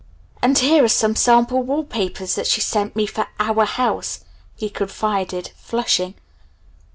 "And here are some sample wall papers that she sent me for 'our house'," he confided, flushing.